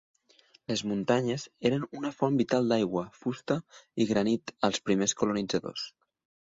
Les muntanyes eren una font vital d'aigua, fusta i granit als primers colonitzadors.